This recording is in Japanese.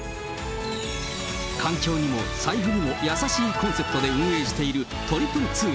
環境にも財布にも優しいコンセプトで運営している２２２。